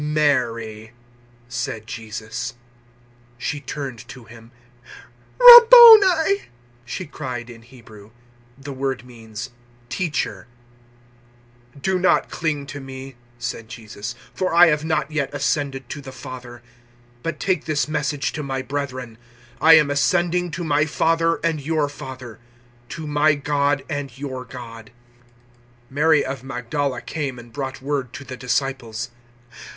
020:016 "Mary!" said Jesus. She turned to Him. "Rabboni!" she cried in Hebrew: the word means `Teacher!' 020:017 "Do not cling to me," said Jesus, "for I have not yet ascended to the Father. But take this message to my brethren: `I am ascending to my Father and your Father, to my God and your God.'" 020:018 Mary of Magdala came and brought word to the disciples.